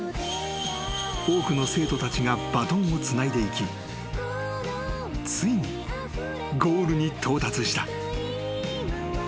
［多くの生徒たちがバトンをつないでいきついにゴールに到達した］